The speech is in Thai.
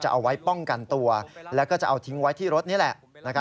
เอาไว้ป้องกันตัวแล้วก็จะเอาทิ้งไว้ที่รถนี่แหละ